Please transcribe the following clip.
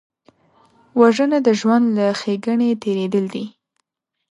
وژنه د ژوند له ښېګڼې تېرېدل دي